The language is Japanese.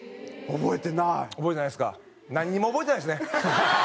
覚えてないですか？